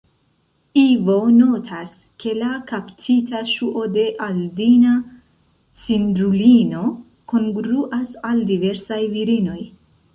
Ivo notas, ke la kaptita ŝuo de Aldina-Cindrulino kongruas al diversaj virinoj.